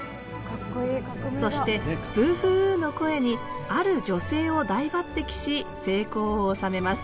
そして「ブーフーウー」の声にある女性を大抜擢し成功を収めます。